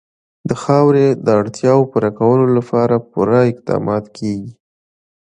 د خاورې د اړتیاوو پوره کولو لپاره پوره اقدامات کېږي.